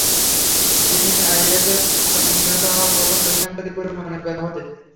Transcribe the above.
তিনি আইএসের হাতে নিহত হওয়া প্রথম নারী সাংবাদিক বলে মনে করা হচ্ছে।